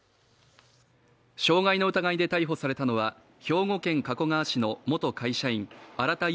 傷害の疑いで逮捕されたのは兵庫県加古川市の元会社員荒田佑